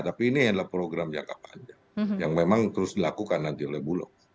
tapi ini adalah program jangka panjang yang memang terus dilakukan nanti oleh bulog